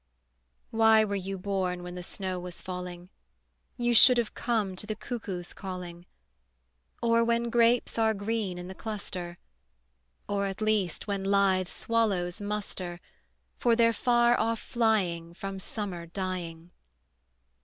Why were you born when the snow was falling? You should have come to the cuckoo's calling, Or when grapes are green in the cluster, Or, at least, when lithe swallows muster For their far off flying From summer dying.